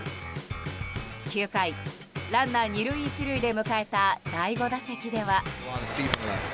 ９回、ランナー２塁１塁で迎えた第５打席では。